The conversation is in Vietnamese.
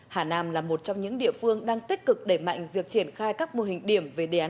hà nam là một trong những địa phương đang tích cực đẩy mạnh việc triển khai các mô hình điểm về đề án